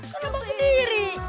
kan lo bawa sendiri